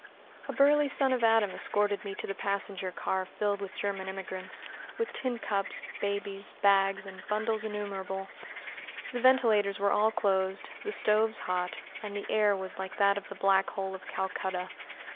A burly son of Adam escorted me to the passenger car filled with German immigrants, with tin cups, babies, bags, and bundles innumerable. The ventilators were all closed, the stoves hot, and the air was like that of the Black Hole of Calcutta.